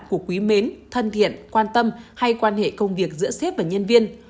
của quý mến thân thiện quan tâm hay quan hệ công việc giữa ship và nhân viên